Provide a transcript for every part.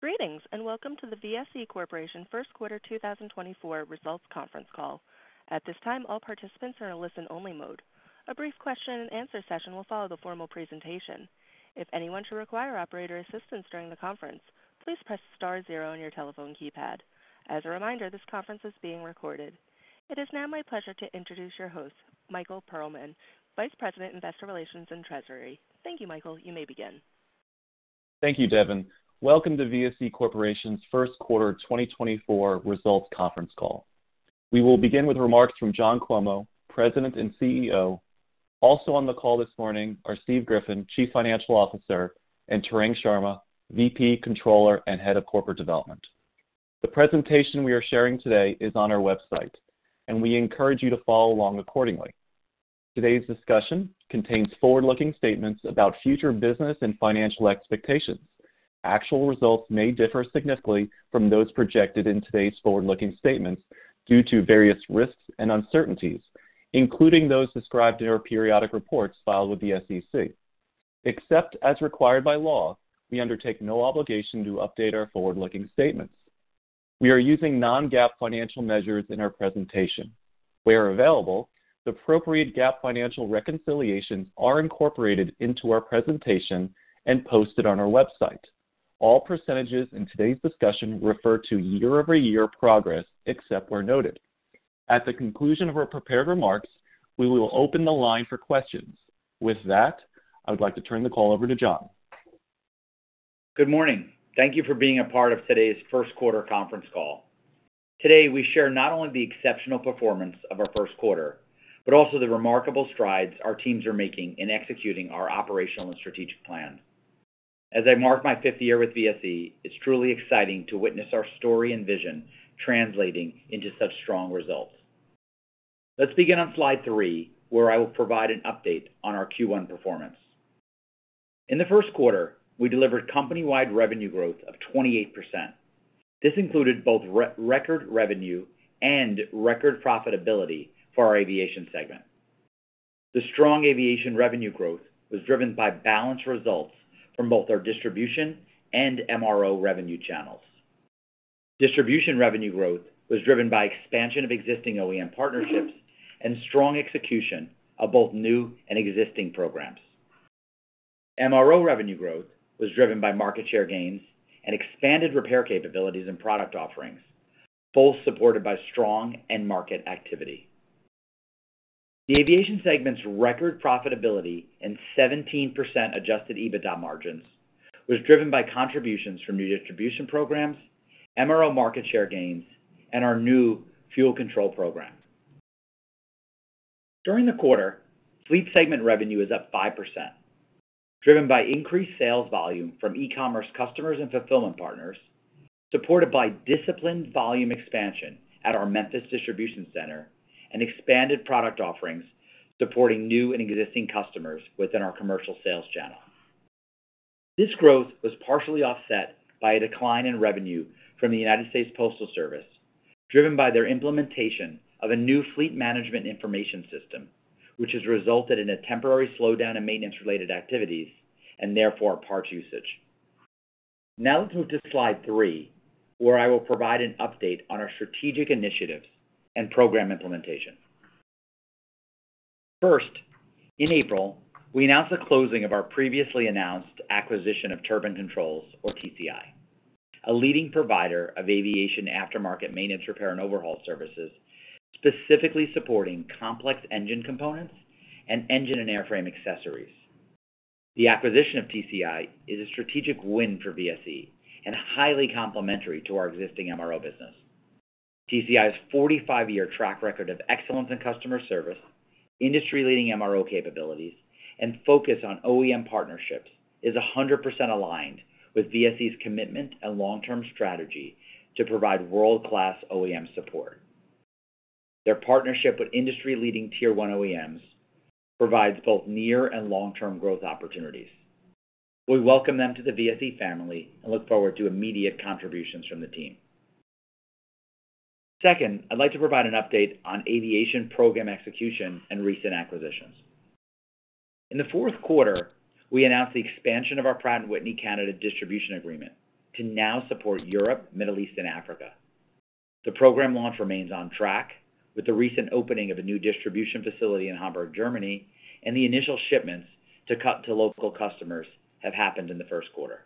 Greetings and welcome to the VSE Corporation First Quarter 2024 Results Conference Call. At this time, all participants are in a listen-only mode. A brief question-and-answer session will follow the formal presentation. If anyone should require operator assistance during the conference, please press star zero on your telephone keypad. As a reminder, this conference is being recorded. It is now my pleasure to introduce your host, Michael Perlman, Vice President Investor Relations and Treasury. Thank you, Michael. You may begin. Thank you, Devin. Welcome to VSE Corporation's First Quarter 2024 Results Conference Call. We will begin with remarks from John Cuomo, President and CEO. Also on the call this morning are Steve Griffin, Chief Financial Officer, and Tarang Sharma, VP, Controller, and Head of Corporate Development. The presentation we are sharing today is on our website, and we encourage you to follow along accordingly. Today's discussion contains forward-looking statements about future business and financial expectations. Actual results may differ significantly from those projected in today's forward-looking statements due to various risks and uncertainties, including those described in our periodic reports filed with the SEC. Except as required by law, we undertake no obligation to update our forward-looking statements. We are using non-GAAP financial measures in our presentation. Where available, the appropriate GAAP financial reconciliations are incorporated into our presentation and posted on our website. All percentages in today's discussion refer to year-over-year progress except where noted. At the conclusion of our prepared remarks, we will open the line for questions. With that, I would like to turn the call over to John. Good morning. Thank you for being a part of today's First Quarter Conference Call. Today, we share not only the exceptional performance of our first quarter but also the remarkable strides our teams are making in executing our operational and strategic plans. As I mark my fifth year with VSE, it's truly exciting to witness our story and vision translating into such strong results. Let's begin on slide three, where I will provide an update on our Q1 performance. In the first quarter, we delivered company-wide revenue growth of 28%. This included both record revenue and record profitability for our aviation segment. The strong aviation revenue growth was driven by balanced results from both our distribution and MRO revenue channels. Distribution revenue growth was driven by expansion of existing OEM partnerships and strong execution of both new and existing programs. MRO revenue growth was driven by market share gains and expanded repair capabilities and product offerings, both supported by strong end-market activity. The aviation segment's record profitability and 17% Adjusted EBITDA margins were driven by contributions from new distribution programs, MRO market share gains, and our new fuel control program. During the quarter, fleet segment revenue is up 5%, driven by increased sales volume from e-commerce customers and fulfillment partners, supported by disciplined volume expansion at our Memphis distribution center, and expanded product offerings supporting new and existing customers within our commercial sales channel. This growth was partially offset by a decline in revenue from the United States Postal Service, driven by their implementation of a new Fleet Management Information System, which has resulted in a temporary slowdown in maintenance-related activities and therefore parts usage. Now let's move to slide three, where I will provide an update on our strategic initiatives and program implementation. First, in April, we announced the closing of our previously announced acquisition of Turbine Controls, or TCI, a leading provider of aviation aftermarket maintenance repair and overhaul services specifically supporting complex engine components and engine and airframe accessories. The acquisition of TCI is a strategic win for VSE and highly complementary to our existing MRO business. TCI's 45-year track record of excellence in customer service, industry-leading MRO capabilities, and focus on OEM partnerships is 100% aligned with VSE's commitment and long-term strategy to provide world-class OEM support. Their partnership with industry-leading Tier 1 OEMs provides both near and long-term growth opportunities. We welcome them to the VSE family and look forward to immediate contributions from the team. Second, I'd like to provide an update on aviation program execution and recent acquisitions. In the fourth quarter, we announced the expansion of our Pratt & Whitney Canada distribution agreement to now support Europe, Middle East, and Africa. The program launch remains on track, with the recent opening of a new distribution facility in Hamburg, Germany, and the initial shipments to key local customers have happened in the first quarter.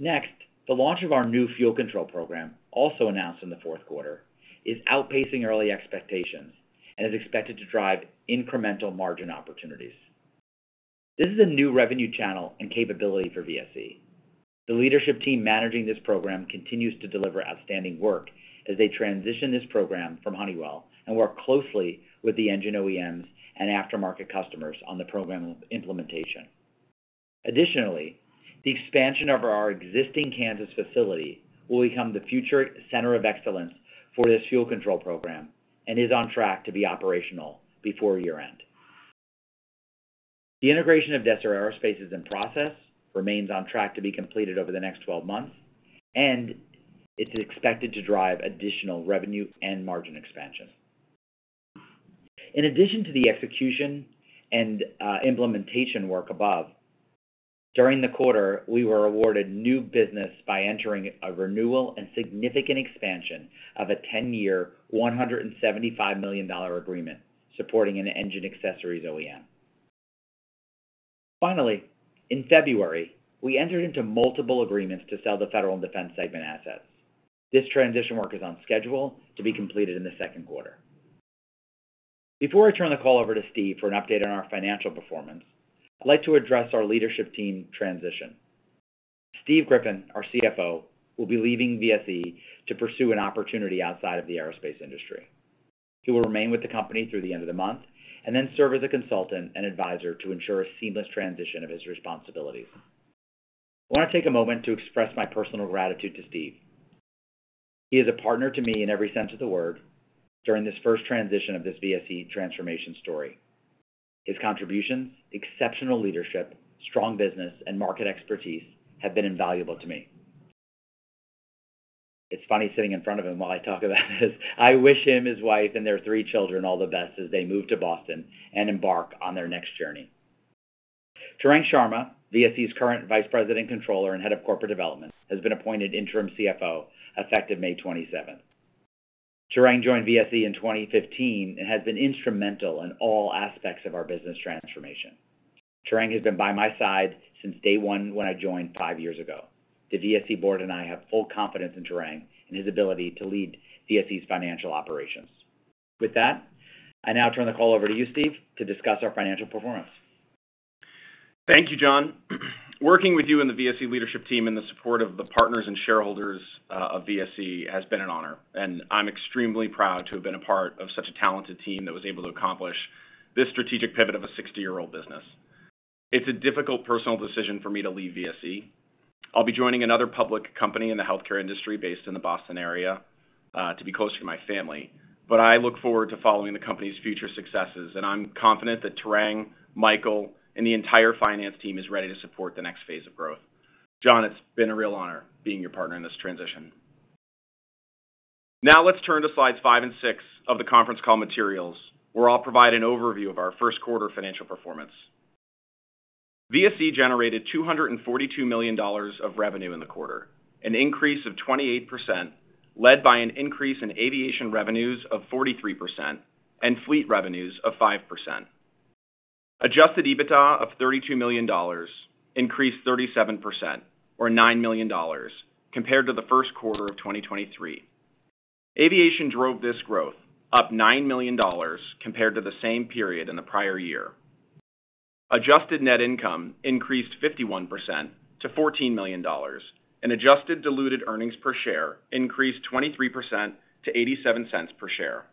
Next, the launch of our new fuel control program, also announced in the fourth quarter, is outpacing early expectations and is expected to drive incremental margin opportunities. This is a new revenue channel and capability for VSE. The leadership team managing this program continues to deliver outstanding work as they transition this program from Honeywell and work closely with the engine OEMs and aftermarket customers on the program implementation. Additionally, the expansion of our existing Kansas facility will become the future center of excellence for this fuel control program and is on track to be operational before year-end. The integration of Desser Aerospace is in process, remains on track to be completed over the next 12 months, and it's expected to drive additional revenue and margin expansion. In addition to the execution and implementation work above, during the quarter we were awarded new business by entering a renewal and significant expansion of a 10-year, $175 million agreement supporting an engine accessories OEM. Finally, in February, we entered into multiple agreements to sell the federal and defense segment assets. This transition work is on schedule to be completed in the second quarter. Before I turn the call over to Steve for an update on our financial performance, I'd like to address our leadership team transition. Steve Griffin, our CFO, will be leaving VSE to pursue an opportunity outside of the aerospace industry. He will remain with the company through the end of the month and then serve as a consultant and advisor to ensure a seamless transition of his responsibilities. I want to take a moment to express my personal gratitude to Steve. He is a partner to me in every sense of the word during this first transition of this VSE transformation story. His contributions, exceptional leadership, strong business, and market expertise have been invaluable to me. It's funny sitting in front of him while I talk about this. I wish him, his wife, and their three children all the best as they move to Boston and embark on their next journey. Tarang Sharma, VSE's current Vice President Controller and Head of Corporate Development, has been appointed interim CFO effective May 27th. Tarang joined VSE in 2015 and has been instrumental in all aspects of our business transformation. Tarang has been by my side since day one when I joined five years ago. The VSE board and I have full confidence in Tarang and his ability to lead VSE's financial operations. With that, I now turn the call over to you, Steve, to discuss our financial performance. Thank you, John. Working with you and the VSE leadership team in the support of the partners and shareholders of VSE has been an honor, and I'm extremely proud to have been a part of such a talented team that was able to accomplish this strategic pivot of a 60-year-old business. It's a difficult personal decision for me to leave VSE. I'll be joining another public company in the healthcare industry based in the Boston area, to be closer to my family, but I look forward to following the company's future successes, and I'm confident that Tarang, Michael, and the entire finance team is ready to support the next phase of growth. John, it's been a real honor being your partner in this transition. Now let's turn to slides five and six of the conference call materials, where I'll provide an overview of our first quarter financial performance. VSE generated $242 million of revenue in the quarter, an increase of 28% led by an increase in aviation revenues of 43% and fleet revenues of 5%. Adjusted EBITDA of $32 million increased 37%, or $9 million, compared to the first quarter of 2023. Aviation drove this growth up $9 million compared to the same period in the prior year. Adjusted net income increased 51% to $14 million, and adjusted diluted earnings per share increased 23% to $0.87 per share.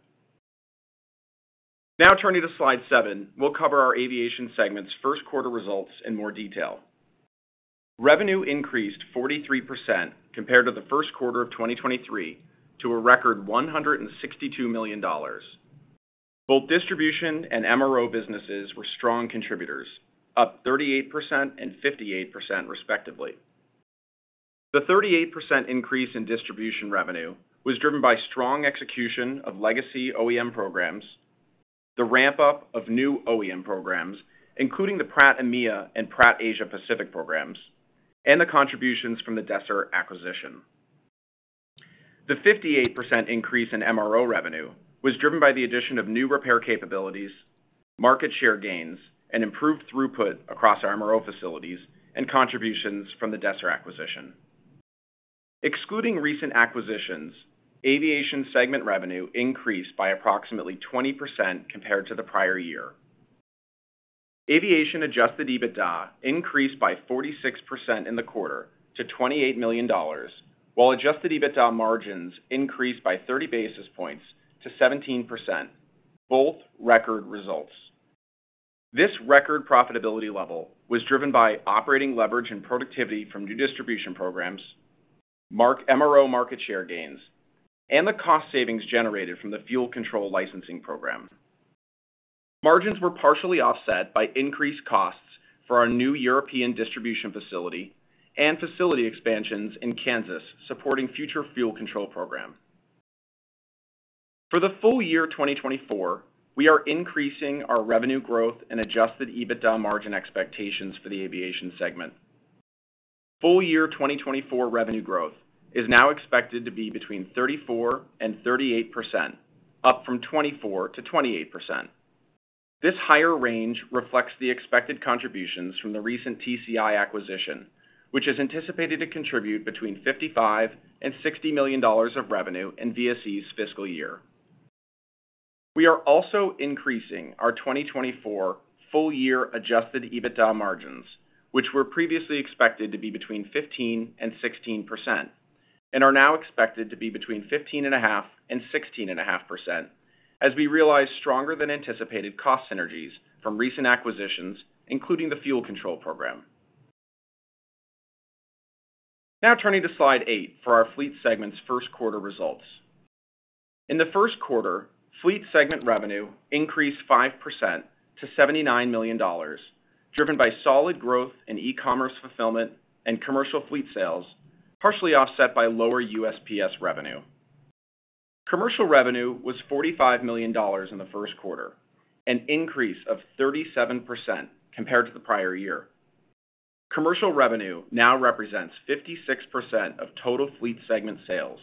Now turning to slide seven, we'll cover our aviation segment's first quarter results in more detail. Revenue increased 43% compared to the first quarter of 2023 to a record $162 million. Both distribution and MRO businesses were strong contributors, up 38% and 58% respectively. The 38% increase in distribution revenue was driven by strong execution of legacy OEM programs, the ramp-up of new OEM programs, including the Pratt & Whitney EMEA and Pratt Asia Pacific programs, and the contributions from the Desser acquisition. The 58% increase in MRO revenue was driven by the addition of new repair capabilities, market share gains, and improved throughput across our MRO facilities and contributions from the Desser acquisition. Excluding recent acquisitions, aviation segment revenue increased by approximately 20% compared to the prior year. Aviation adjusted EBITDA increased by 46% in the quarter to $28 million, while adjusted EBITDA margins increased by 30 basis points to 17%, both record results. This record profitability level was driven by operating leverage and productivity from new distribution programs, marked MRO market share gains, and the cost savings generated from the fuel control licensing program. Margins were partially offset by increased costs for our new European distribution facility and facility expansions in Kansas supporting future fuel control program. For the full-year 2024, we are increasing our revenue growth and Adjusted EBITDA margin expectations for the aviation segment. full-year 2024 revenue growth is now expected to be between 34%-38%, up from 24%-28%. This higher range reflects the expected contributions from the recent TCI acquisition, which is anticipated to contribute between $55-$60 million of revenue in VSE's fiscal year. We are also increasing our 2024 full-year Adjusted EBITDA margins, which were previously expected to be between 15%-16%, and are now expected to be between 15.5%-16.5% as we realize stronger-than-anticipated cost synergies from recent acquisitions, including the fuel control program. Now turning to slide eight for our fleet segment's first quarter results. In the first quarter, fleet segment revenue increased 5% to $79 million, driven by solid growth in e-commerce fulfillment and commercial fleet sales, partially offset by lower USPS revenue. Commercial revenue was $45 million in the first quarter, an increase of 37% compared to the prior year. Commercial revenue now represents 56% of total fleet segment sales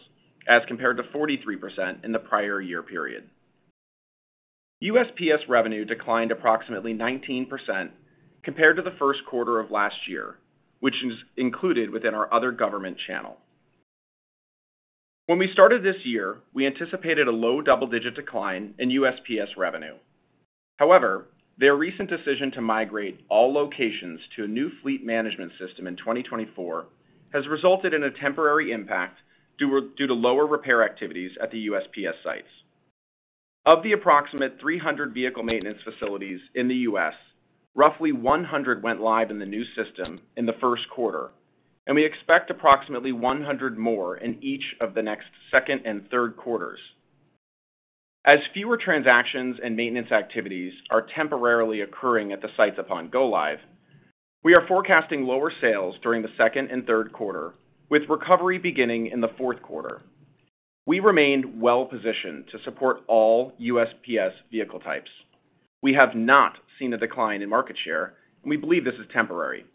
as compared to 43% in the prior year period. USPS revenue declined approximately 19% compared to the first quarter of last year, which is included within our other government channel. When we started this year, we anticipated a low double-digit decline in USPS revenue. However, their recent decision to migrate all locations to a new fleet management system in 2024 has resulted in a temporary impact due to lower repair activities at the USPS sites. Of the approximately 300 vehicle maintenance facilities in the U.S., roughly 100 went live in the new system in the first quarter, and we expect approximately 100 more in each of the next second and third quarters. As fewer transactions and maintenance activities are temporarily occurring at the sites upon go-live, we are forecasting lower sales during the second and third quarter, with recovery beginning in the fourth quarter. We remained well-positioned to support all USPS vehicle types. We have not seen a decline in market share, and we believe this is temporary.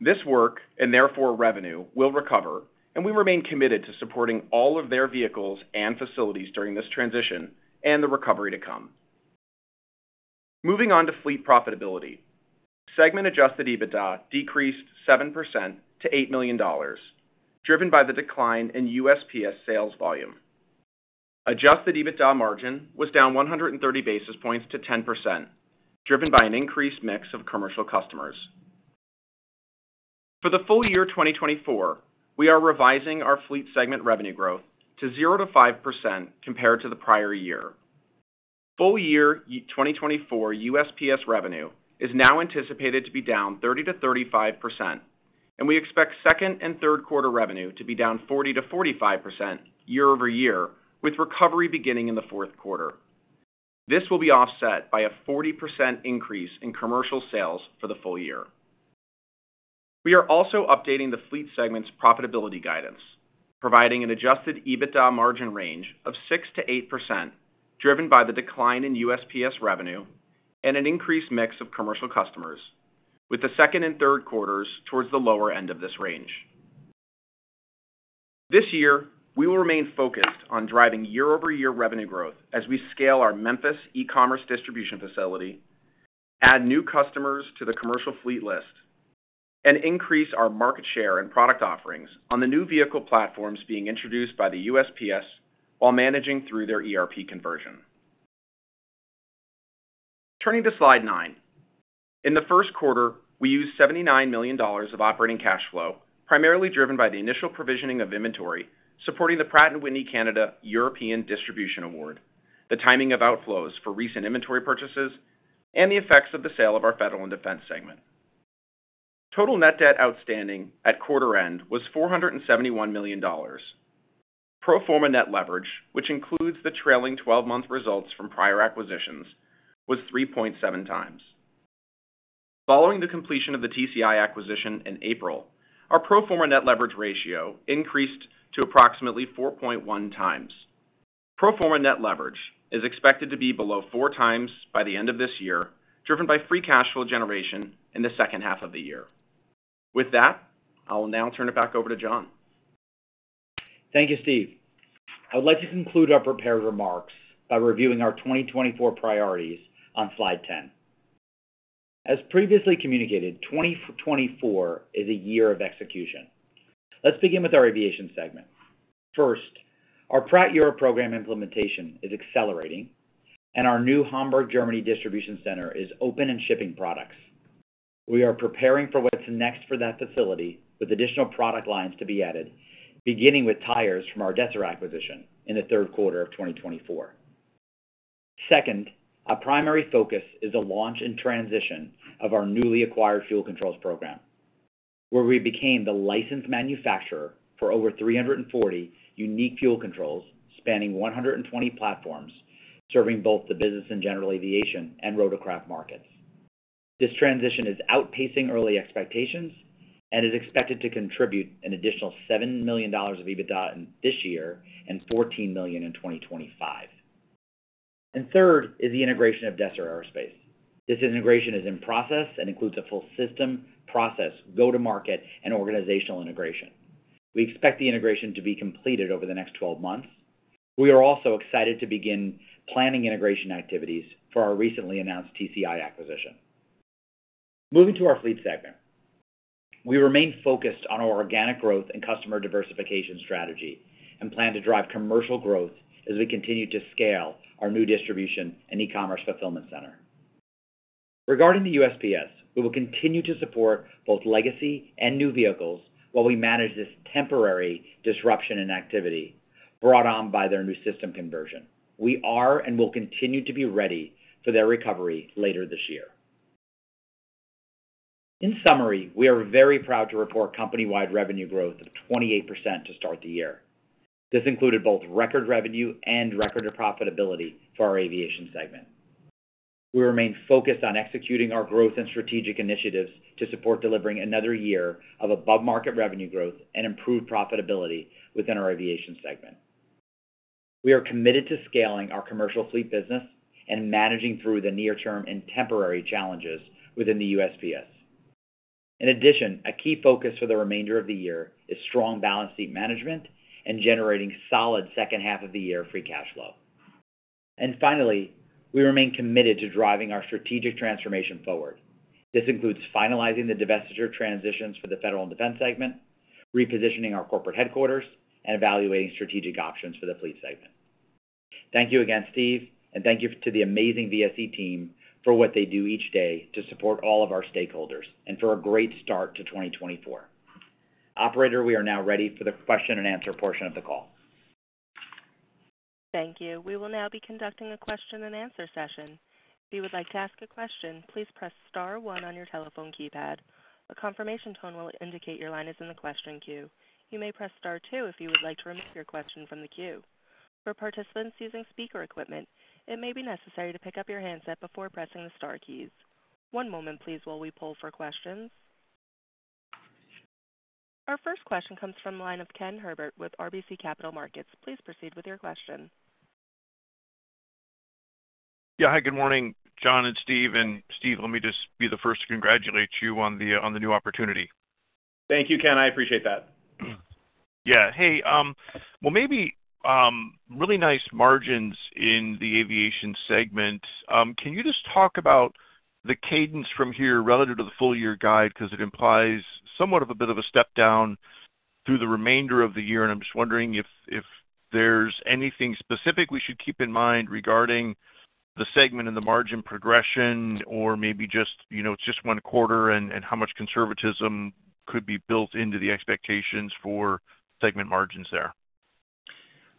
This work and therefore revenue will recover, and we remain committed to supporting all of their vehicles and facilities during this transition and the recovery to come. Moving on to fleet profitability. Segment adjusted EBITDA decreased 7% to $8 million, driven by the decline in USPS sales volume. Adjusted EBITDA margin was down 130 basis points to 10%, driven by an increased mix of commercial customers. For the full-year 2024, we are revising our fleet segment revenue growth to 0%-5% compared to the prior year. full-year 2024 USPS revenue is now anticipated to be down 30%-35%, and we expect second- and third-quarter revenue to be down 40%-45% year-over-year, with recovery beginning in the fourth quarter. This will be offset by a 40% increase in commercial sales for the full-year. We are also updating the fleet segment's profitability guidance, providing an adjusted EBITDA margin range of 6%-8% driven by the decline in USPS revenue and an increased mix of commercial customers, with the second and third quarters towards the lower end of this range. This year, we will remain focused on driving year-over-year revenue growth as we scale our Memphis e-commerce distribution facility, add new customers to the commercial fleet list, and increase our market share and product offerings on the new vehicle platforms being introduced by the USPS while managing through their ERP conversion. Turning to slide 9. In the first quarter, we used $79 million of operating cash flow, primarily driven by the initial provisioning of inventory supporting the Pratt & Whitney Canada European Distribution Award, the timing of outflows for recent inventory purchases, and the effects of the sale of our federal and defense segment. Total net debt outstanding at quarter-end was $471 million. Pro forma net leverage, which includes the trailing 12-month results from prior acquisitions, was 3.7 times. Following the completion of the TCI acquisition in April, our pro forma net leverage ratio increased to approximately 4.1x. Pro forma net leverage is expected to be below 4x by the end of this year, driven by free cash flow generation in the second half of the year. With that, I'll now turn it back over to John. Thank you, Steve. I would like to conclude our prepared remarks by reviewing our 2024 priorities on slide 10. As previously communicated, 2024 is a year of execution. Let's begin with our aviation segment. First, our Pratt Europe program implementation is accelerating, and our new Hamburg, Germany distribution center is open and shipping products. We are preparing for what's next for that facility with additional product lines to be added, beginning with tires from our Desser acquisition in the third quarter of 2024. Second, our primary focus is the launch and transition of our newly acquired fuel controls program, where we became the licensed manufacturer for over 340 unique fuel controls spanning 120 platforms serving both the business and general aviation and rotorcraft markets. This transition is outpacing early expectations and is expected to contribute an additional $7 million of EBITDA this year and $14 million in 2025. Third is the integration of Desser Aerospace. This integration is in process and includes a full system, process, go-to-market, and organizational integration. We expect the integration to be completed over the next 12 months. We are also excited to begin planning integration activities for our recently announced TCI acquisition. Moving to our fleet segment. We remain focused on our organic growth and customer diversification strategy and plan to drive commercial growth as we continue to scale our new distribution and e-commerce fulfillment center. Regarding the USPS, we will continue to support both legacy and new vehicles while we manage this temporary disruption in activity brought on by their new system conversion. We are and will continue to be ready for their recovery later this year. In summary, we are very proud to report company-wide revenue growth of 28% to start the year. This included both record revenue and record profitability for our aviation segment. We remain focused on executing our growth and strategic initiatives to support delivering another year of above-market revenue growth and improved profitability within our aviation segment. We are committed to scaling our commercial fleet business and managing through the near-term and temporary challenges within the USPS. In addition, a key focus for the remainder of the year is strong balance sheet management and generating solid second half of the year free cash flow. And finally, we remain committed to driving our strategic transformation forward. This includes finalizing the divestiture transitions for the federal and defense segment, repositioning our corporate headquarters, and evaluating strategic options for the fleet segment. Thank you again, Steve, and thank you to the amazing VSE team for what they do each day to support all of our stakeholders and for a great start to 2024. Operator, we are now ready for the question-and-answer portion of the call. Thank you. We will now be conducting a question-and-answer session. If you would like to ask a question, please press star one on your telephone keypad. A confirmation tone will indicate your line is in the question queue. You may press star two if you would like to remove your question from the queue. For participants using speaker equipment, it may be necessary to pick up your handset before pressing the star keys. One moment, please, while we pull for questions. Our first question comes from the line of Ken Herbert with RBC Capital Markets. Please proceed with your question. Yeah. Hi. Good morning, John and Steve. And Steve, let me just be the first to congratulate you on the new opportunity. Thank you, Ken. I appreciate that. Yeah. Hey. Well, maybe really nice margins in the aviation segment. Can you just talk about the cadence from here relative to the full-year guide? Because it implies somewhat of a bit of a step down through the remainder of the year. And I'm just wondering if there's anything specific we should keep in mind regarding the segment and the margin progression, or maybe just it's just one quarter and how much conservatism could be built into the expectations for segment margins there.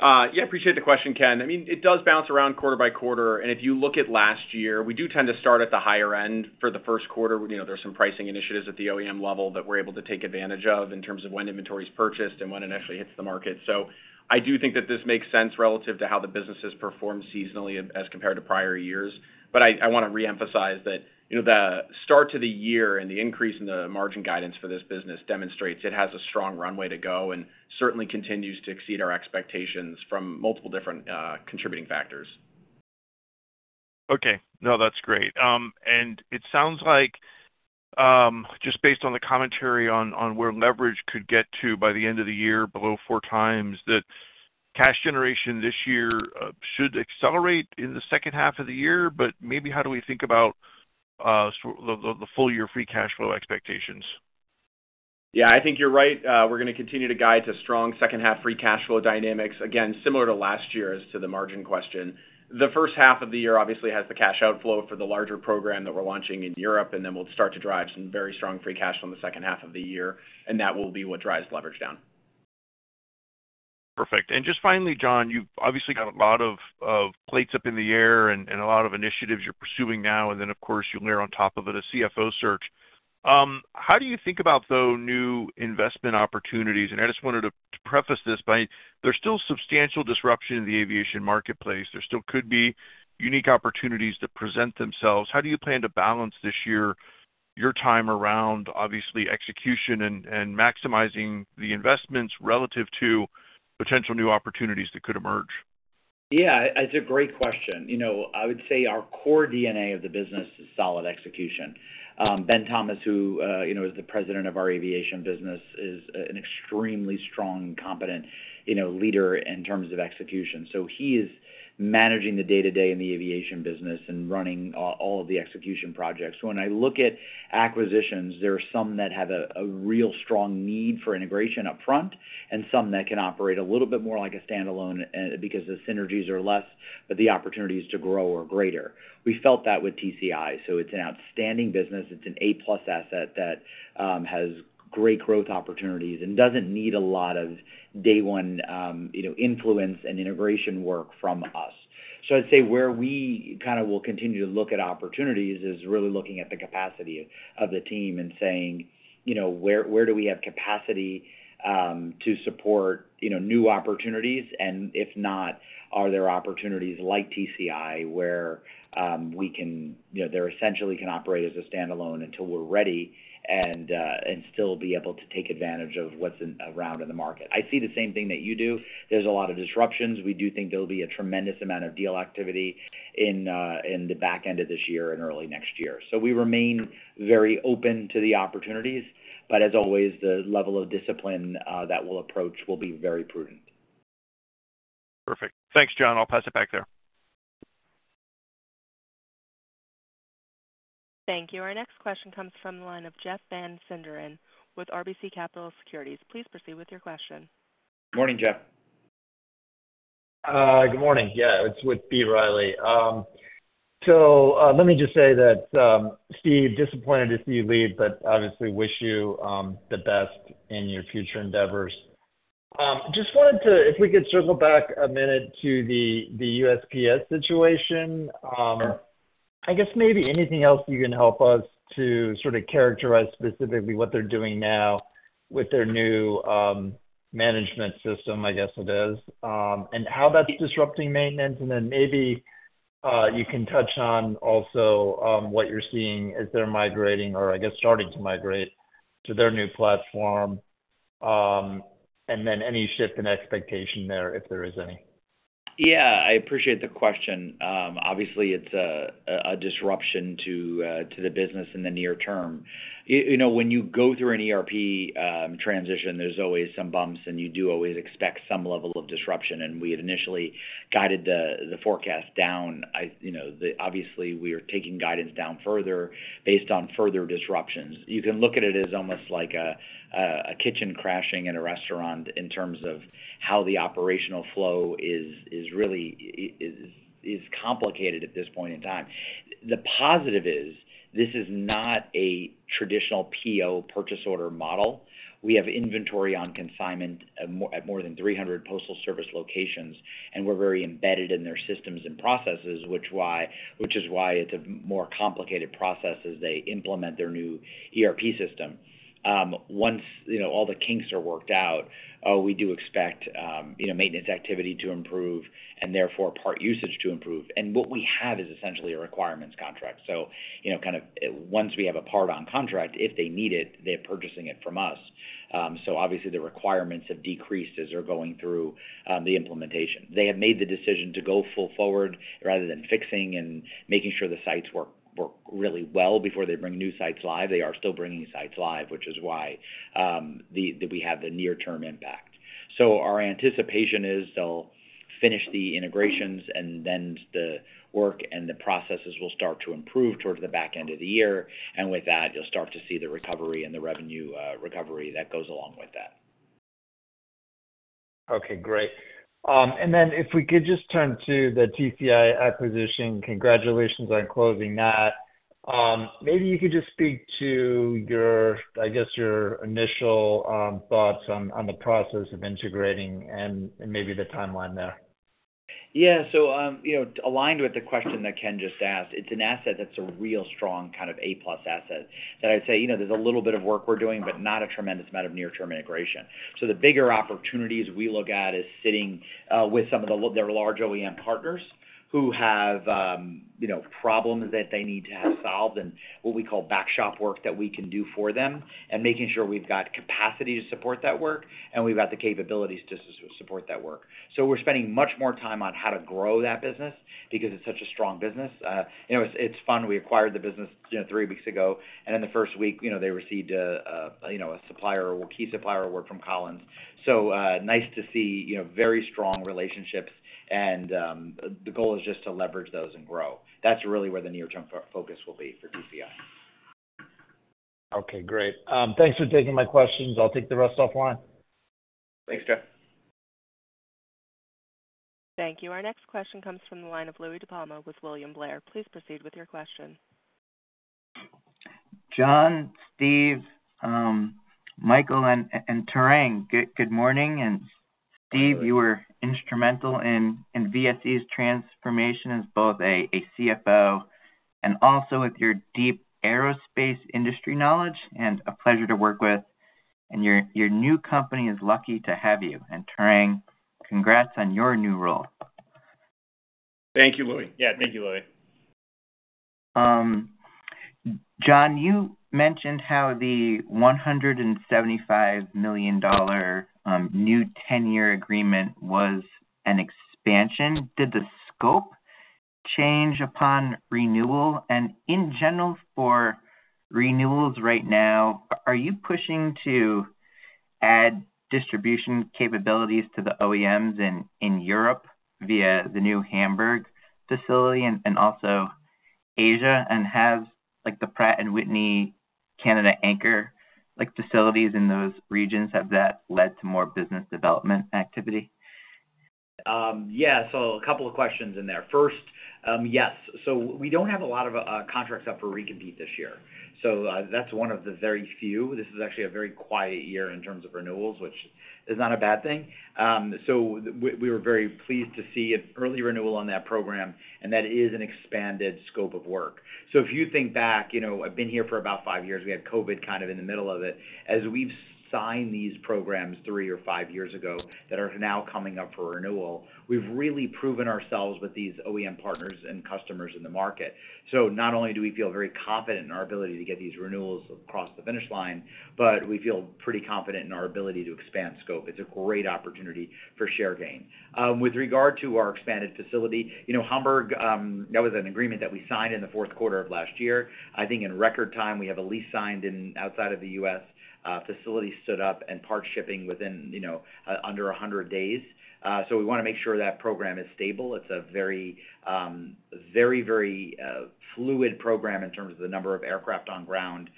Yeah. I appreciate the question, Ken. I mean, it does bounce around quarter by quarter. And if you look at last year, we do tend to start at the higher end for the first quarter. There are some pricing initiatives at the OEM level that we're able to take advantage of in terms of when inventory is purchased and when it actually hits the market. So I do think that this makes sense relative to how the business has performed seasonally as compared to prior years. But I want to reemphasize that the start to the year and the increase in the margin guidance for this business demonstrates it has a strong runway to go and certainly continues to exceed our expectations from multiple different contributing factors. Okay. No, that's great. And it sounds like, just based on the commentary on where leverage could get to by the end of the year, below 4x, that cash generation this year should accelerate in the second half of the year. But maybe how do we think about the full-year free cash flow expectations? Yeah. I think you're right. We're going to continue to guide to strong second-half free cash flow dynamics, again, similar to last year as to the margin question. The first half of the year, obviously, has the cash outflow for the larger program that we're launching in Europe. And then we'll start to drive some very strong free cash flow in the second half of the year. And that will be what drives leverage down. Perfect. And just finally, John, you've obviously got a lot of plates up in the air and a lot of initiatives you're pursuing now. And then, of course, you'll layer on top of it a CFO search. How do you think about those new investment opportunities? And I just wanted to preface this by there's still substantial disruption in the aviation marketplace. There still could be unique opportunities that present themselves. How do you plan to balance this year your time around, obviously, execution and maximizing the investments relative to potential new opportunities that could emerge? Yeah. It's a great question. I would say our core DNA of the business is solid execution. Ben Thomas, who is the president of our aviation business, is an extremely strong and competent leader in terms of execution. So he is managing the day-to-day in the aviation business and running all of the execution projects. When I look at acquisitions, there are some that have a real strong need for integration upfront and some that can operate a little bit more like a standalone because the synergies are less, but the opportunities to grow are greater. We felt that with TCI. So it's an outstanding business. It's an A-plus asset that has great growth opportunities and doesn't need a lot of day-one influence and integration work from us. So I'd say where we kind of will continue to look at opportunities is really looking at the capacity of the team and saying, "Where do we have capacity to support new opportunities? And if not, are there opportunities like TCI where we can they're essentially can operate as a standalone until we're ready and still be able to take advantage of what's around in the market?" I see the same thing that you do. There's a lot of disruptions. We do think there'll be a tremendous amount of deal activity in the back end of this year and early next year. So we remain very open to the opportunities. But as always, the level of discipline that we'll approach will be very prudent. Perfect. Thanks, John. I'll pass it back there. Thank you. Our next question comes from the line of Jeff Van Sinderen with B. Riley. Please proceed with your question. Morning, Jeff. Good morning. Yeah. It's with B. Riley. So let me just say that, Steve, disappointed to see you leave, but obviously wish you the best in your future endeavors. Just wanted to if we could circle back a minute to the USPS situation, I guess maybe anything else you can help us to sort of characterize specifically what they're doing now with their new management system, I guess it is, and how that's disrupting maintenance. And then maybe you can touch on also what you're seeing as they're migrating or, I guess, starting to migrate to their new platform, and then any shift in expectation there if there is any. Yeah. I appreciate the question. Obviously, it's a disruption to the business in the near term. When you go through an ERP transition, there's always some bumps, and you do always expect some level of disruption. And we had initially guided the forecast down. Obviously, we are taking guidance down further based on further disruptions. You can look at it as almost like a kitchen crashing in a restaurant in terms of how the operational flow is really complicated at this point in time. The positive is this is not a traditional PO purchase order model. We have inventory on consignment at more than 300 Postal Service locations, and we're very embedded in their systems and processes, which is why it's a more complicated process as they implement their new ERP system. Once all the kinks are worked out, we do expect maintenance activity to improve and therefore part usage to improve. And what we have is essentially a requirements contract. So kind of once we have a part on contract, if they need it, they're purchasing it from us. So obviously, the requirements have decreased as they're going through the implementation. They have made the decision to go full forward rather than fixing and making sure the sites work really well before they bring new sites live. They are still bringing sites live, which is why we have the near-term impact. So our anticipation is they'll finish the integrations, and then the work and the processes will start to improve towards the back end of the year. And with that, you'll start to see the recovery and the revenue recovery that goes along with that. Okay. Great. And then if we could just turn to the TCI acquisition, congratulations on closing that. Maybe you could just speak to, I guess, your initial thoughts on the process of integrating and maybe the timeline there. Yeah. So aligned with the question that Ken just asked, it's an asset that's a real strong kind of A-plus asset that I'd say there's a little bit of work we're doing, but not a tremendous amount of near-term integration. So the bigger opportunities we look at is sitting with some of their large OEM partners who have problems that they need to have solved and what we call backshop work that we can do for them and making sure we've got capacity to support that work and we've got the capabilities to support that work. So we're spending much more time on how to grow that business because it's such a strong business. It's fun. We acquired the business three weeks ago. And in the first week, they received a supplier or key supplier award from Collins. So nice to see very strong relationships. The goal is just to leverage those and grow. That's really where the near-term focus will be for TCI. Okay. Great. Thanks for taking my questions. I'll take the rest offline. Thanks, Jeff. Thank you. Our next question comes from the line of Louie DiPalma with William Blair. Please proceed with your question. John, Steve, Michael, and Tarang, good morning. And Steve, you were instrumental in VSE's transformation as both a CFO and also with your deep aerospace industry knowledge, and a pleasure to work with. And your new company is lucky to have you. And Tarang, congrats on your new role. Thank you, Louie. Yeah. Thank you, Louie. John, you mentioned how the $175 million new 10-year agreement was an expansion. Did the scope change upon renewal? And in general, for renewals right now, are you pushing to add distribution capabilities to the OEMs in Europe via the new Hamburg facility and also Asia? And has the Pratt & Whitney Canada Anchor facilities in those regions, have that led to more business development activity? Yeah. So a couple of questions in there. First, yes. So we don't have a lot of contracts up for recompete this year. So that's one of the very few. This is actually a very quiet year in terms of renewals, which is not a bad thing. So we were very pleased to see an early renewal on that program, and that is an expanded scope of work. So if you think back, I've been here for about five years. We had COVID kind of in the middle of it. As we've signed these programs three or five years ago that are now coming up for renewal, we've really proven ourselves with these OEM partners and customers in the market. So not only do we feel very confident in our ability to get these renewals across the finish line, but we feel pretty confident in our ability to expand scope. It's a great opportunity for share gain. With regard to our expanded facility, Hamburg, that was an agreement that we signed in the fourth quarter of last year. I think in record time, we have a lease signed outside of the U.S. Facility stood up and part shipping within under 100 days. So we want to make sure that program is stable. It's a very, very, very fluid program in terms of the number of aircraft on ground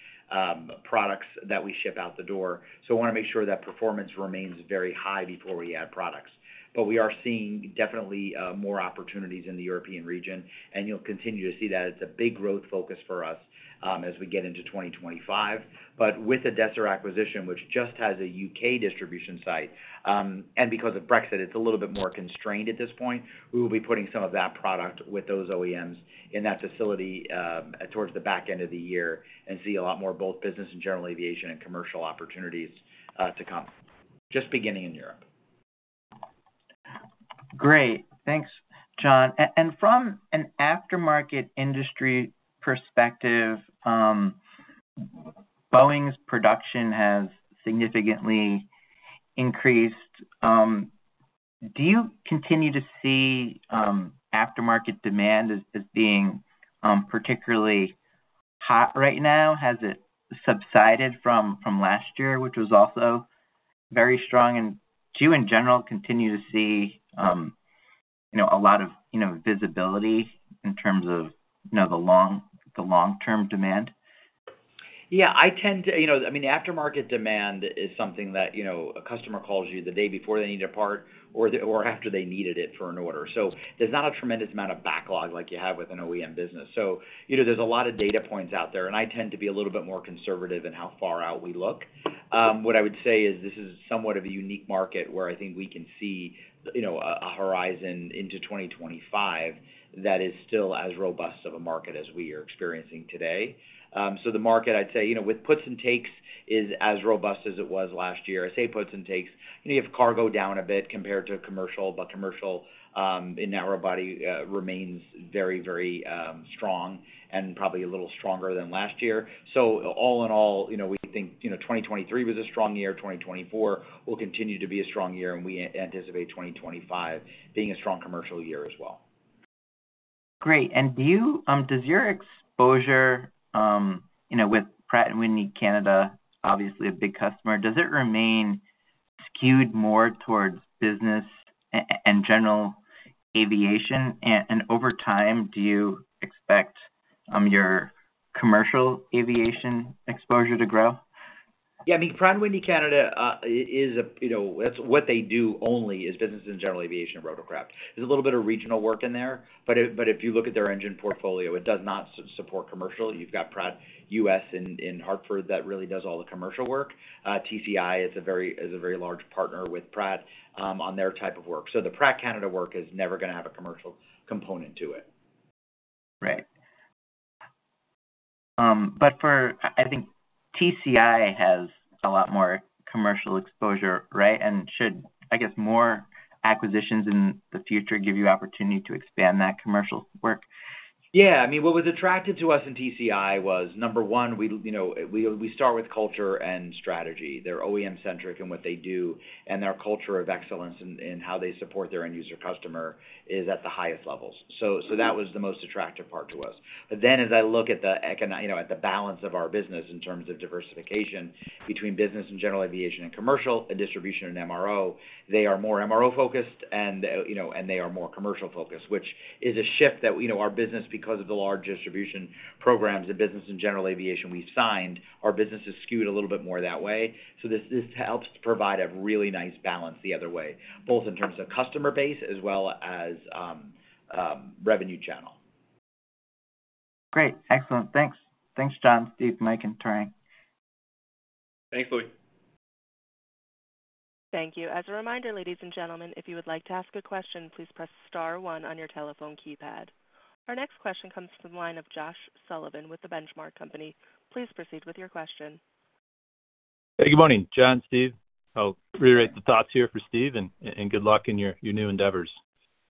products that we ship out the door. So we want to make sure that performance remains very high before we add products. But we are seeing definitely more opportunities in the European region. And you'll continue to see that. It's a big growth focus for us as we get into 2025. But with a Desser acquisition, which just has a U.K. distribution site, and because of Brexit, it's a little bit more constrained at this point, we will be putting some of that product with those OEMs in that facility towards the back end of the year and see a lot more both business and general aviation and commercial opportunities to come, just beginning in Europe. Great. Thanks, John. From an aftermarket industry perspective, Boeing's production has significantly increased. Do you continue to see aftermarket demand as being particularly hot right now? Has it subsided from last year, which was also very strong? In general, do you continue to see a lot of visibility in terms of the long-term demand? Yeah. I tend to, I mean, aftermarket demand is something that a customer calls you the day before they need a part or after they needed it for an order. So there's not a tremendous amount of backlog like you have with an OEM business. So there's a lot of data points out there. And I tend to be a little bit more conservative in how far out we look. What I would say is this is somewhat of a unique market where I think we can see a horizon into 2025 that is still as robust of a market as we are experiencing today. So the market, I'd say, with puts and takes, is as robust as it was last year. I say puts and takes. You have cargo down a bit compared to commercial, but commercial in narrow body remains very, very strong and probably a little stronger than last year. So all in all, we think 2023 was a strong year. 2024 will continue to be a strong year. We anticipate 2025 being a strong commercial year as well. Great. And does your exposure with Pratt & Whitney Canada, obviously a big customer, does it remain skewed more towards business and general aviation? And over time, do you expect your commercial aviation exposure to grow? Yeah. I mean, Pratt & Whitney Canada, that's what they do only is business and general aviation and rotorcraft. There's a little bit of regional work in there. But if you look at their engine portfolio, it does not support commercial. got Pratt & Whitney U.S. in Hartford that really does all the commercial work. TCI is a very large partner with Pratt on their type of work. So the Pratt Canada work is never going to have a commercial component to it. Right. But I think TCI has a lot more commercial exposure, right? And should, I guess, more acquisitions in the future give you opportunity to expand that commercial work? Yeah. I mean, what was attractive to us in TCI was, number one, we start with culture and strategy. They're OEM-centric in what they do. And their culture of excellence in how they support their end-user customer is at the highest levels. So that was the most attractive part to us. But then as I look at the balance of our business in terms of diversification between business and general aviation and commercial and distribution and MRO, they are more MRO-focused, and they are more commercial-focused, which is a shift that our business, because of the large distribution programs and business and general aviation we've signed, our business is skewed a little bit more that way. So this helps provide a really nice balance the other way, both in terms of customer base as well as revenue channel. Great. Excellent. Thanks. Thanks, John, Steve, Mike, and Tarang. Thanks, Louie. Thank you. As a reminder, ladies and gentlemen, if you would like to ask a question, please press star one on your telephone keypad. Our next question comes from the line of Josh Sullivan with The Benchmark Company. Please proceed with your question. Hey, good morning, John, Steve. I'll reiterate the thoughts here for Steve, and good luck in your new endeavors.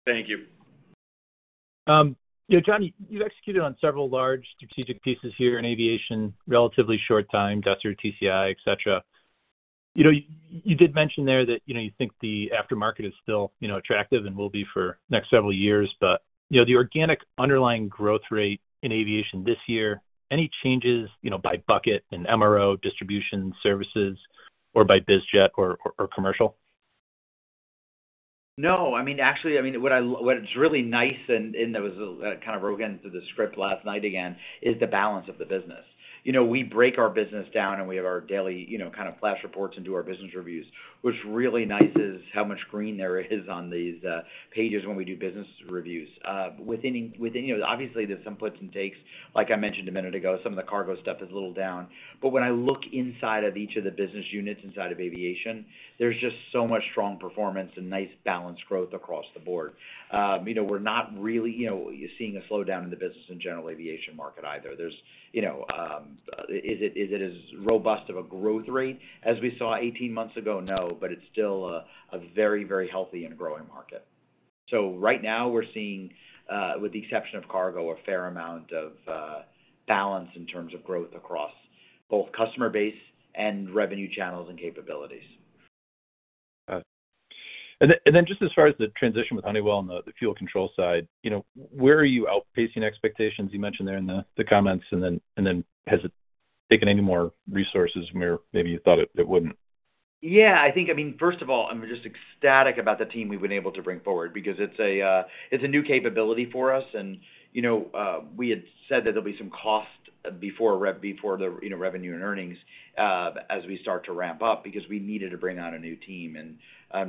Thank you. John, you've executed on several large strategic pieces here in aviation relatively short time: Desser, TCI, etc. You did mention there that you think the aftermarket is still attractive and will be for next several years. But the organic underlying growth rate in aviation this year, any changes by bucket and MRO distribution services or by BizJet or commercial? No. I mean, actually, what's really nice, and that kind of broke into the script last night again, is the balance of the business. We break our business down, and we have our daily kind of flash reports and do our business reviews. What's really nice is how much green there is on these pages when we do business reviews. Obviously, there's some puts and takes. Like I mentioned a minute ago, some of the cargo stuff is a little down. But when I look inside of each of the business units inside of aviation, there's just so much strong performance and nice balanced growth across the board. We're not really seeing a slowdown in the business and general aviation market either. Is it as robust of a growth rate as we saw 18 months ago? No, but it's still a very, very healthy and growing market. Right now, we're seeing, with the exception of cargo, a fair amount of balance in terms of growth across both customer base and revenue channels and capabilities. And then just as far as the transition with Honeywell on the fuel control side, where are you outpacing expectations? You mentioned there in the comments. And then has it taken any more resources where maybe you thought it wouldn't? Yeah. I mean, first of all, I'm just ecstatic about the team we've been able to bring forward because it's a new capability for us. We had said that there'll be some cost before the revenue and earnings as we start to ramp up because we needed to bring on a new team. I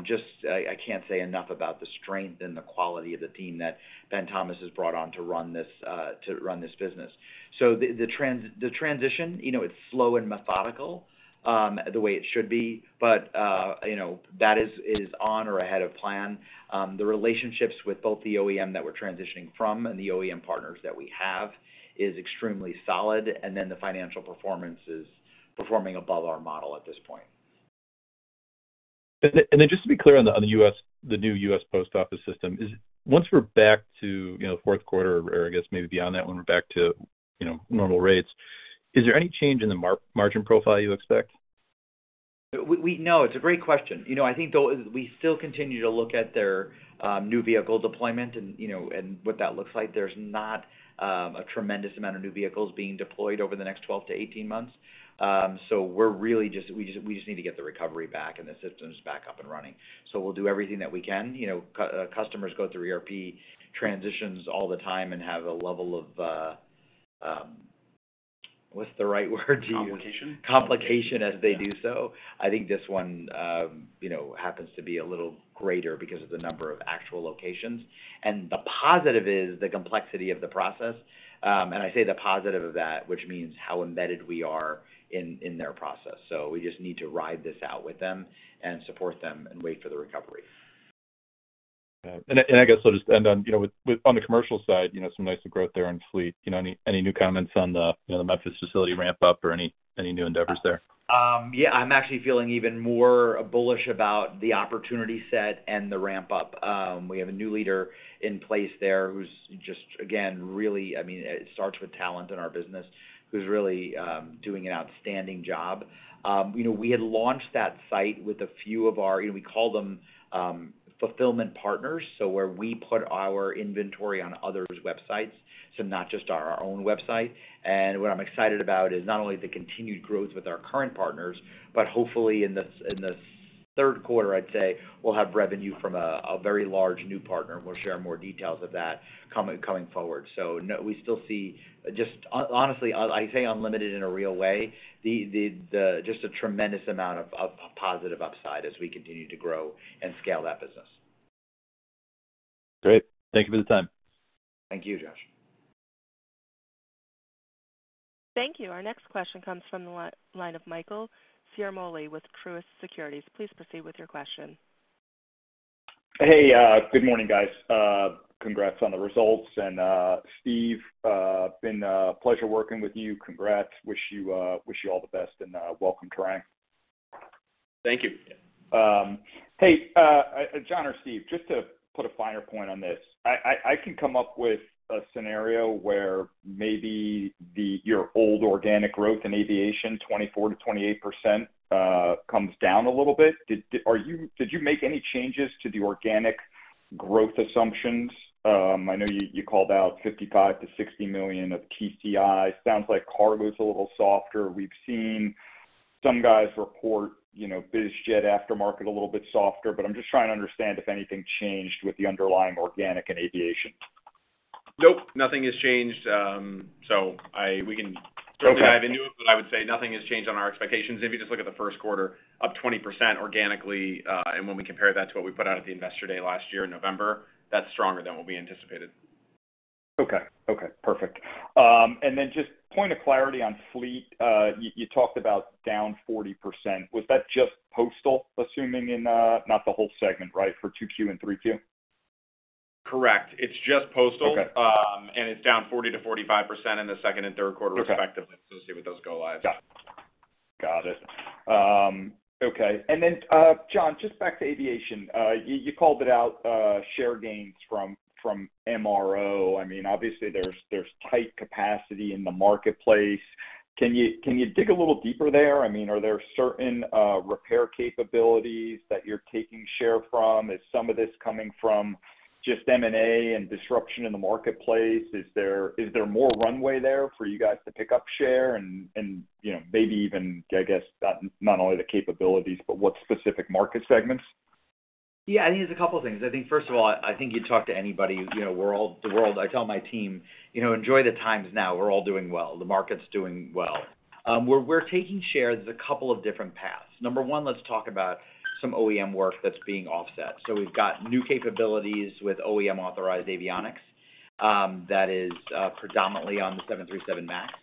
can't say enough about the strength and the quality of the team that Ben Thomas has brought on to run this business. So the transition, it's slow and methodical the way it should be, but that is on or ahead of plan. The relationships with both the OEM that we're transitioning from and the OEM partners that we have is extremely solid. Then the financial performance is performing above our model at this point. And then just to be clear on the new U.S. Post Office system, once we're back to fourth quarter or, I guess, maybe beyond that when we're back to normal rates, is there any change in the margin profile you expect? No, it's a great question. I think we still continue to look at their new vehicle deployment and what that looks like. There's not a tremendous amount of new vehicles being deployed over the next 12-18 months. So we just need to get the recovery back, and the system's back up and running. So we'll do everything that we can. Customers go through ERP transitions all the time and have a level of - what's the right word to use? Complication. Complication as they do so. I think this one happens to be a little greater because of the number of actual locations. And the positive is the complexity of the process. And I say the positive of that, which means how embedded we are in their process. So we just need to ride this out with them and support them and wait for the recovery. I guess I'll just end on the commercial side, some nice growth there in fleet. Any new comments on the Memphis facility ramp-up or any new endeavors there? Yeah. I'm actually feeling even more bullish about the opportunity set and the ramp-up. We have a new leader in place there who's just, again, really I mean, it starts with talent in our business who's really doing an outstanding job. We had launched that site with a few of our we call them fulfillment partners, so where we put our inventory on others' websites, so not just our own website. What I'm excited about is not only the continued growth with our current partners, but hopefully, in the third quarter, I'd say, we'll have revenue from a very large new partner. We'll share more details of that coming forward. So we still see, just honestly, I say unlimited in a real way, just a tremendous amount of positive upside as we continue to grow and scale that business. Great. Thank you for the time. Thank you, Josh. Thank you. Our next question comes from the line of Michael Ciarmoli with Truist Securities. Please proceed with your question. Hey. Good morning, guys. Congrats on the results. And Steve, been a pleasure working with you. Congrats. Wish you all the best, and welcome, Tarang. Thank you. Hey, John or Steve, just to put a finer point on this, I can come up with a scenario where maybe your old organic growth in aviation, 24%-28%, comes down a little bit. Did you make any changes to the organic growth assumptions? I know you called out $55-$60 million of TCI. Sounds like cargo's a little softer. We've seen some guys report BizJet aftermarket a little bit softer. But I'm just trying to understand if anything changed with the underlying organic in aviation. Nope. Nothing has changed. So we can certainly dive into it, but I would say nothing has changed on our expectations. If you just look at the first quarter, up 20% organically. And when we compare that to what we put out at the Investor Day last year in November, that's stronger than what we anticipated. Okay. Okay. Perfect. And then just point of clarity on fleet, you talked about down 40%. Was that just postal, assuming it's not the whole segment, right, for 2Q and 3Q? Correct. It's just postal. It's down 40%-45% in the second and third quarter, respectively, associated with those go-lives. Got it. Okay. And then, John, just back to aviation. You called it out share gains from MRO. I mean, obviously, there's tight capacity in the marketplace. Can you dig a little deeper there? I mean, are there certain repair capabilities that you're taking share from? Is some of this coming from just M&A and disruption in the marketplace? Is there more runway there for you guys to pick up share and maybe even, I guess, not only the capabilities, but what specific market segments? Yeah. I think there's a couple of things. I think, first of all, I think you'd talk to anybody. The world I tell my team, "Enjoy the times now. We're all doing well. The market's doing well." We're taking share through a couple of different paths. Number one, let's talk about some OEM work that's being offset. So we've got new capabilities with OEM-authorized avionics that is predominantly on the 737 MAX.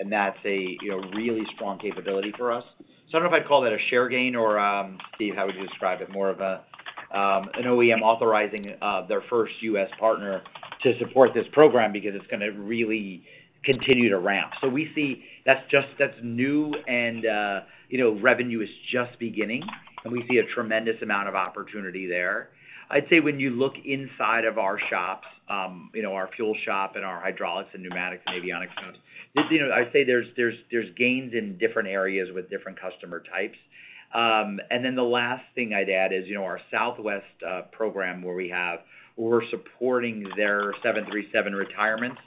And that's a really strong capability for us. So I don't know if I'd call that a share gain or, Steve, how would you describe it? More of an OEM authorizing their first US partner to support this program because it's going to really continue to ramp. So that's new, and revenue is just beginning. And we see a tremendous amount of opportunity there. I'd say when you look inside of our shops, our fuel shop and our hydraulics and pneumatics and avionics shops, I'd say there's gains in different areas with different customer types. And then the last thing I'd add is our Southwest program where we're supporting their 737 retirements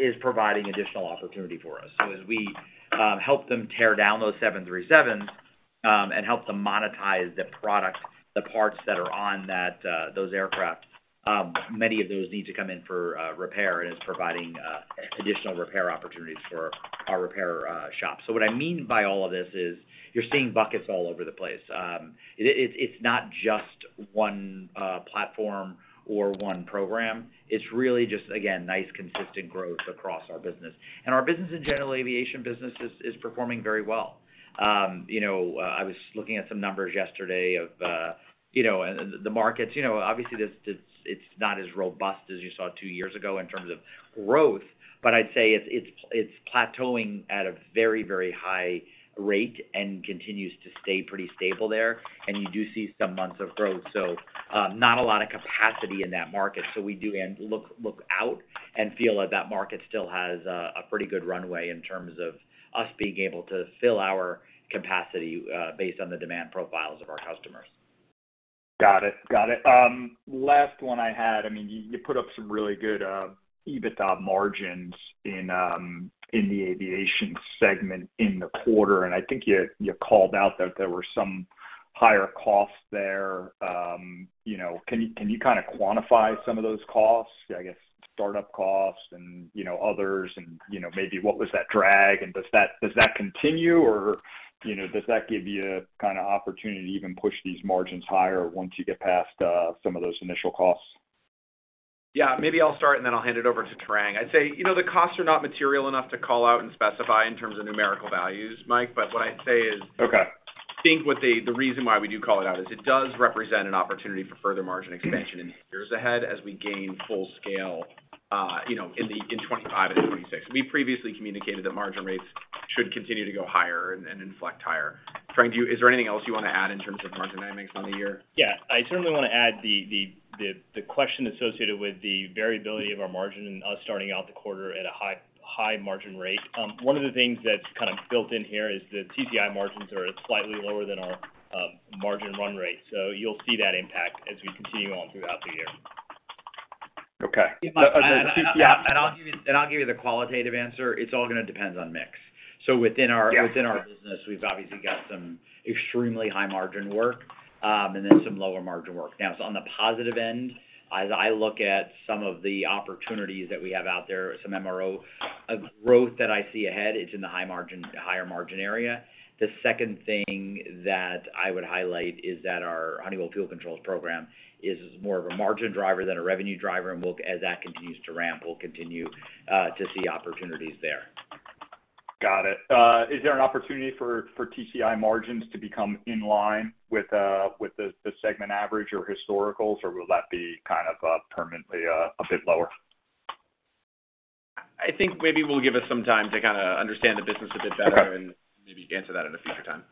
is providing additional opportunity for us. So as we help them tear down those 737s and help them monetize the product, the parts that are on those aircraft, many of those need to come in for repair, and it's providing additional repair opportunities for our repair shops. So what I mean by all of this is you're seeing buckets all over the place. It's not just one platform or one program. It's really just, again, nice, consistent growth across our business. And our business and general aviation business is performing very well. I was looking at some numbers yesterday of the markets. Obviously, it's not as robust as you saw two years ago in terms of growth, but I'd say it's plateauing at a very, very high rate and continues to stay pretty stable there. And you do see some months of growth, so not a lot of capacity in that market. So we do look out and feel that that market still has a pretty good runway in terms of us being able to fill our capacity based on the demand profiles of our customers. Got it. Got it. Last one I had, I mean, you put up some really good EBITDA margins in the aviation segment in the quarter. And I think you called out that there were some higher costs there. Can you kind of quantify some of those costs, I guess, startup costs and others? And maybe what was that drag? And does that continue, or does that give you kind of opportunity to even push these margins higher once you get past some of those initial costs? Yeah. Maybe I'll start, and then I'll hand it over to Tarang. I'd say the costs are not material enough to call out and specify in terms of numerical values, Mike. But what I'd say is I think the reason why we do call it out is it does represent an opportunity for further margin expansion in the years ahead as we gain full scale in 2025 and 2026. We previously communicated that margin rates should continue to go higher and inflect higher. Tarang, is there anything else you want to add in terms of margin dynamics on the year? Yeah. I certainly want to add the question associated with the variability of our margin and us starting out the quarter at a high margin rate. One of the things that's kind of built in here is the TCI margins are slightly lower than our margin run rate. So you'll see that impact as we continue on throughout the year. Okay. Yeah. I'll give you the qualitative answer. It's all going to depend on mix. So within our business, we've obviously got some extremely high margin work and then some lower margin work. Now, on the positive end, as I look at some of the opportunities that we have out there, some MRO growth that I see ahead, it's in the higher margin area. The second thing that I would highlight is that our Honeywell Fuel Controls program is more of a margin driver than a revenue driver. And as that continues to ramp, we'll continue to see opportunities there. Got it. Is there an opportunity for TCI margins to become in line with the segment average or historicals, or will that be kind of permanently a bit lower? I think maybe we'll give us some time to kind of understand the business a bit better and maybe answer that at a future time.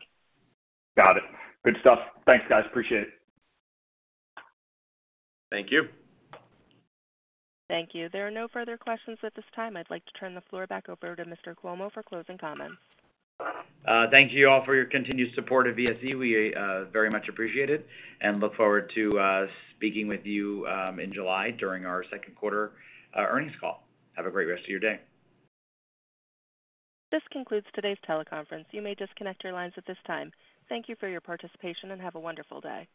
Got it. Good stuff. Thanks, guys. Appreciate it. Thank you. Thank you. There are no further questions at this time. I'd like to turn the floor back over to Mr. Cuomo for closing comments. Thank you all for your continued support of VSE. We very much appreciate it and look forward to speaking with you in July during our second quarter earnings call. Have a great rest of your day. This concludes today's teleconference. You may disconnect your lines at this time. Thank you for your participation, and have a wonderful day.